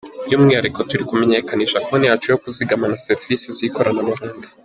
By’umwihariko turi kumenyekanisha konti yacu yo kuzigama na serivisi z’ikoranabuhanga.